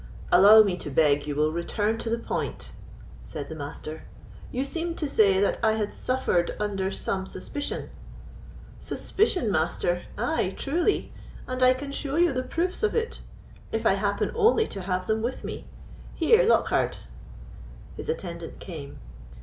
"Allow me to beg you will return to the point," said the Master; "you seemed to say that I had suffered under some suspicion." "Suspicion, Master! Ay, truly, and I can show you the proofs of it; if I happen only to have them with me. Here, Lockhard." His attendant came.